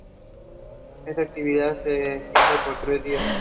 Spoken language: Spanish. Esta actividad se extiende por tres días.